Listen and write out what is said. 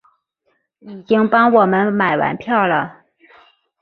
已经帮我们买完票了